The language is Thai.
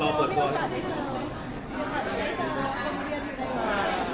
ไม่ไม่รู้เหมือนกันต้องไปที่หา